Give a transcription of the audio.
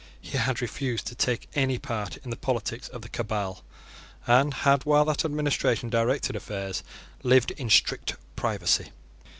He had refused to take any part in the politics of the Cabal, and had, while that administration directed affairs, lived in strict privacy.